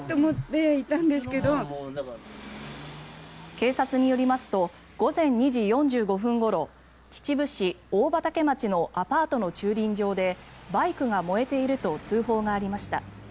警察によりますと午前２時４５分ごろ秩父市大畑町のアパートの駐輪場でバイクが燃えていると通報がありました。